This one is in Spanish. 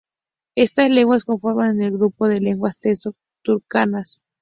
Estas lenguas conforman el grupo de lenguas teso-turkanas.